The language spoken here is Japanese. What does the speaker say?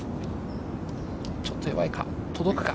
ちょっと弱いか、届くか。